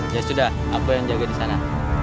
ya sudah aku yang jaga di sana